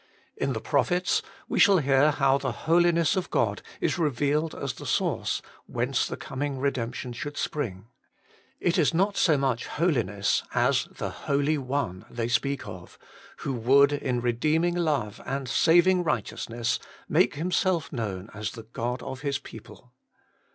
In the prophets we shall hear how the Holiness of God is revealed as the source whence the coming redemption should spring : it is not so much Holiness as the Holy One they speak of, who would, in redeeming love and saving righteousness, make Himself known as the God of His people.